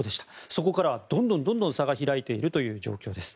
そこからは、どんどん差が開いている状況です。